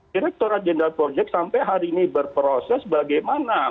direkturat jenderal project sampai hari ini berproses bagaimana